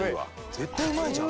絶対うまいじゃん。